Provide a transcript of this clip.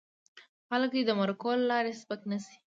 خلک دې د مرکو له لارې سپک نه شي.